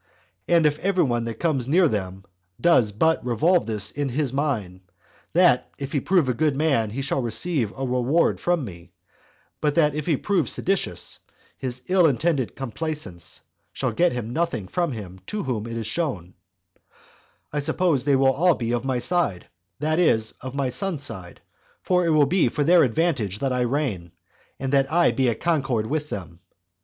And if every one that comes near them does but revolve this in his mind, that if he prove a good man, he shall receive a reward from me, but that if he prove seditious, his ill intended complaisance shall get him nothing from him to whom it is shown, I suppose they will all be of my side, that is, of my sons' side; for it will be for their advantage that I reign, and that I be at concord with them.